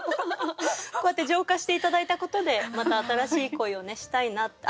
こうやって浄化して頂いたことでまた新しい恋をしたいなって。